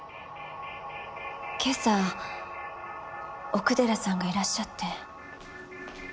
今朝奥寺さんがいらっしゃって。